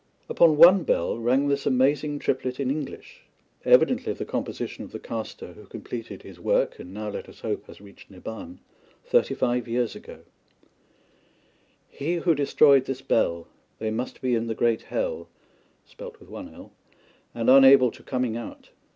Upon one bell rang this amazing triplet in English, evidently the composition of the caster, who completed his work and now, let us hope, has reached Nibban thirty five years ago: "He who destroyed this Bell They must be in the great Hel And unable to coming out."